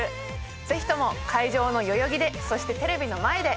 ぜひとも会場の代々木でそしてテレビの前で。